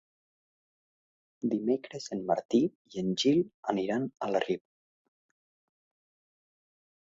Dimecres en Martí i en Gil aniran a la Riba.